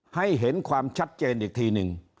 ให้เห็นความชัดเจนอีกทีหนึ่ง